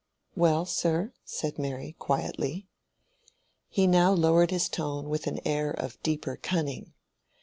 "Well, sir?" said Mary, quietly. He now lowered his tone with an air of deeper cunning.